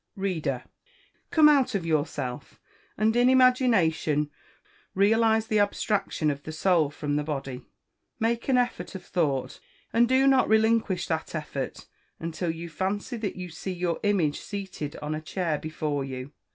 Reader, come out of yourself, and in imagination realise the abstraction of the Soul from the body. Make an effort of thought, and do not relinquish that effort, until you fancy that you see your image seated on a chair before you.